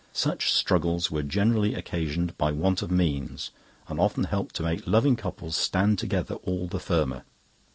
Such struggles were generally occasioned by want of means, and often helped to make loving couples stand together all the firmer.